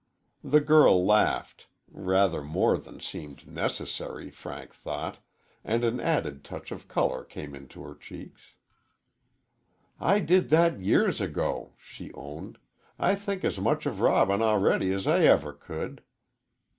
The girl laughed, rather more than seemed necessary, Frank thought, and an added touch of color came into her cheeks. "I did that years ago," she owned. "I think as much of Robin already as I ever could."